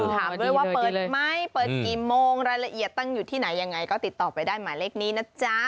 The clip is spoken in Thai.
ถามด้วยว่าเปิดไหมเปิดกี่โมงรายละเอียดตั้งอยู่ที่ไหนยังไงก็ติดต่อไปได้หมายเลขนี้นะจ๊ะ